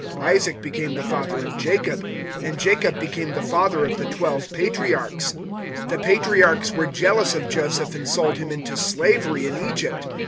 Isaac became the father of Jacob, and Jacob became the father of the twelve Patriarchs. 007:009 "The Patriarchs were jealous of Joseph and sold him into slavery in Egypt.